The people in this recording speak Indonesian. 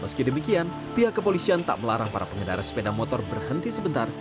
meski demikian pihak kepolisian tak melarang para pengendara sepeda motor berhenti sebentar